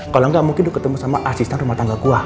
kalau engga mungkin lu ketemu sama asisten rumah tangga gua